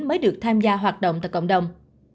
mới được tham gia hoạt động tại cộng đồng